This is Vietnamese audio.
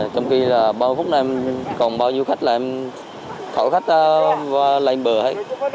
trong khi là bao nhiêu phút nữa em còn bao nhiêu khách là em khỏi khách lên bờ hết